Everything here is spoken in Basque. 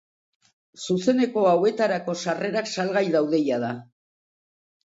Zuzeneko hauetarako sarrerak salgai daude jada.